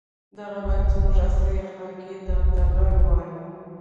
• دغه باید زموږ اصلي اخلاقي دغدغه وای.